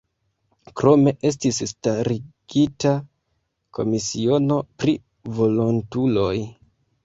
Krome estis starigita komisiono pri volontuloj.